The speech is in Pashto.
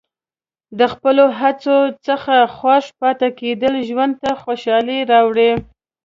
د خپلو هڅو څخه خوښ پاتې کېدل ژوند ته خوشحالي راوړي.